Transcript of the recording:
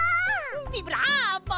ビブラーボ！